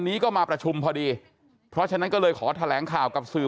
นี้ก็มาประชุมพอดีเพราะฉะนั้นก็เลยขอแถลงข่าวกับสื่อ